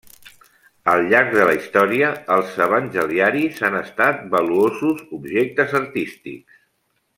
Al llarg de la història, els evangeliaris han estat valuosos objectes artístics.